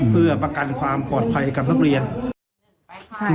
เพื่อประกันความปลอดภัยกับนักเรียน